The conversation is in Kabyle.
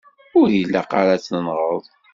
Ur ilaq ara ad tenɣeḍ.